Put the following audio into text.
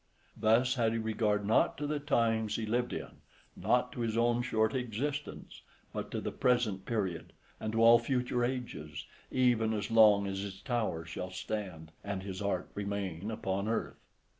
Thus had he regard not to the times he lived in, not to his own short existence, but to the present period, and to all future ages, even as long as his tower shall stand, and his art remain upon earth.